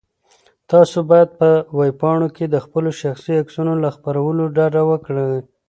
تاسو باید په ویبپاڼو کې د خپلو شخصي عکسونو له خپرولو ډډه وکړئ.